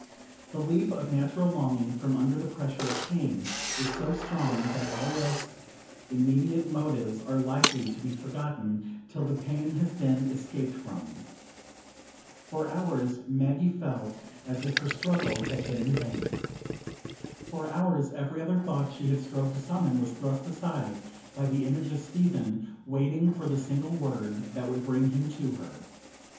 The leap of natural longing from under the pressure of pain is so strong, that all less immediate motives are likely to be forgotten—till the pain has been escaped from. For hours Maggie felt as if her struggle had been in vain. For hours every other thought that she strove to summon was thrust aside by the image of Stephen waiting for the single word that would bring him to her.